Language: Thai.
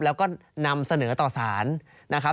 แล้วก็นำเสนอต่อสารนะครับ